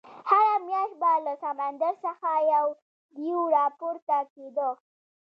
هره میاشت به له سمندر څخه یو دېو راپورته کېدی.